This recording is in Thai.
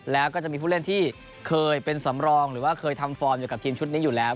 และก็จะมีตัวเพลงที่เคยเป็นสำรองมากับทีมชุดนี้อยู่แล้ว